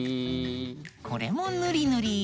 これもぬりぬり。